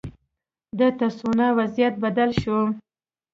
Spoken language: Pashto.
د تسوانا وضعیت بدل شو.